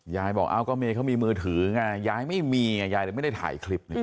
ยายบอกก็เมย์เขามีมือถือไงยายไม่มีไงยายเลยไม่ได้ถ่ายคลิป